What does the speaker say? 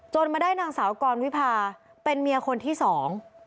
มาได้นางสาวกรวิพาเป็นเมียคนที่สอง